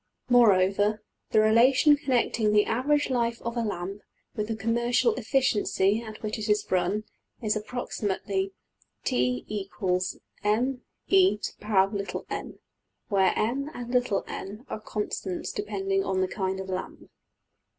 } \end{align*} Moreover, the relation connecting the average life of a lamp with the commercial efficiency at which it is run is approximately $t = mE^n$, where $m$~and~$n$ are constants depending on the kind of lamp.